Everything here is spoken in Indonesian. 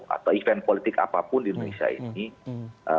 atau event politik apapun di indonesia ini